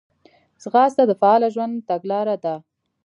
ځغاسته د فعاله ژوند تګلاره ده